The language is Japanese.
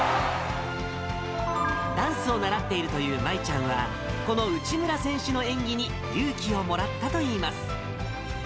ダンスを習っているという真依ちゃんは、この内村選手の演技に勇気をもらったといいます。